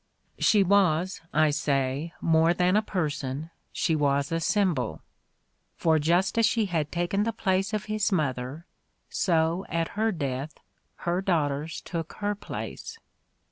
'' She was, I say, more than a person, she was a symbol; for just as she had taken the place of his mother, so at her death her daughters took her place.